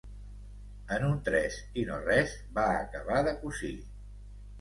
En un tres i no res va acabar de cosir.